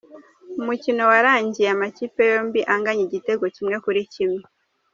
Umukino warangiye amakipe yombi anganya igitego kimwe kuri kimwe.